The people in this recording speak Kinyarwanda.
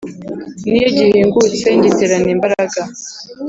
n'iyo gihingutse ngiterana imbaraga